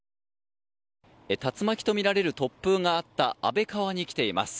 竜巻とみられる突風があった安倍川に来ています。